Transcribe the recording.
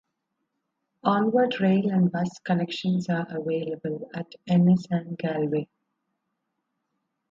Onward rail and bus connections are available at Ennis and Galway.